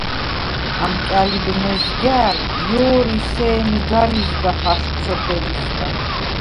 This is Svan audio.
ამკა̈ლიბ მეზგა̄̈ლ ჲო̄რი ი სემი გარ იზგახ აშხვ სოფელისგა.